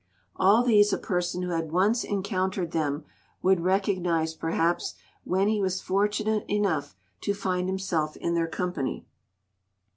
All these a person who had once encountered them would recognise, perhaps, when he was fortunate enough to find himself in their company.